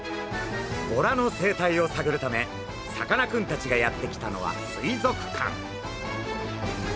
ボラの生態をさぐるためさかなクンたちがやって来たのは水族館。